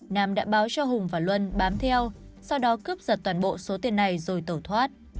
nam đã báo cho hùng và luân bám theo sau đó cướp giật toàn bộ số tiền này rồi tẩu thoát